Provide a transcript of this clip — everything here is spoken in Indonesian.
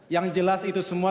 yang jelas itu semua